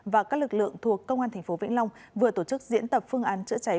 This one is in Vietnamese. và các lực lượng thuộc công an tp vĩnh long vừa tổ chức diễn tập phương án chữa cháy